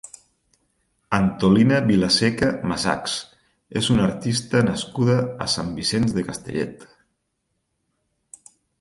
Antolina Vilaseca Masachs és una artista nascuda a Sant Vicenç de Castellet.